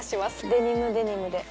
デニムデニムで。